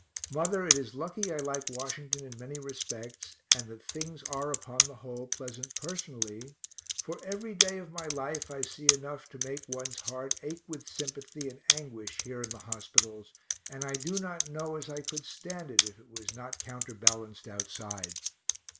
Mother, it is lucky I like Washington in many respects, and that things are upon the whole pleasant personally, for every day of my life I see enough to make one's heart ache with sympathy and anguish here in the hospitals, and I do not know as I could stand it if it was not counterbalanced outside.